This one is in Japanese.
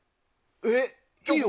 え、いいよ。